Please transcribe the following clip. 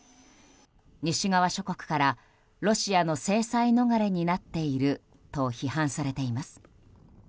西側諸国からロシアの制裁逃れになっていると批判されています。